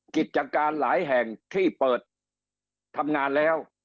กิจการหลายแห่งที่เปิดทำงานแล้ว